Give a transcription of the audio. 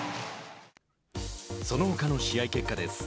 そのほかの試合結果です。